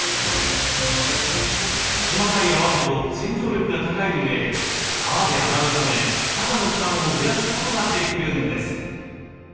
細かい泡ほど洗浄力が高いうえ泡で洗うため肌の負担を減らすことができるんです。